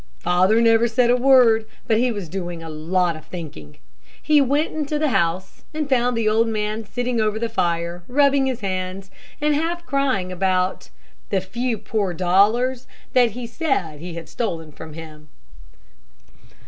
"Father never said a word, but he was doing a lot of thinking. He went into the house, and found the old man sitting over the fire, rubbing his hands, and half crying about 'the few poor dollars,' that he said he had had stolen from him.